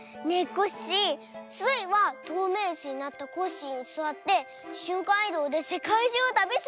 コッシースイはとうめいイスになってコッシーにすわってしゅんかんいどうでせかいじゅうをたびする！